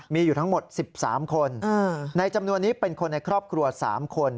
มีอยู่ทั้งหมด๑๓คนในจำนวนนี้เป็นคนในครอบครัว๓คน